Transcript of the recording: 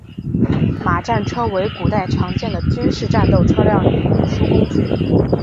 马战车为古代常见的军事战斗车辆与运输工具。